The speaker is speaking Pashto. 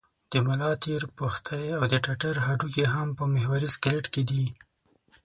د ملا تیر، پښتۍ او د ټټر هډوکي هم په محوري سکلېټ کې دي.